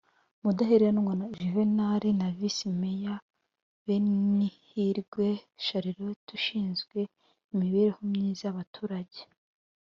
Mudaheranwa Juvenal na Visi Meya Benihirwe Charlotte ushinzwe imibereho myiza y'abaturage